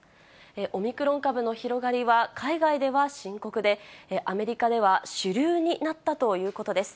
オミクロン株の広がりは海外では深刻で、アメリカでは主流になったということです。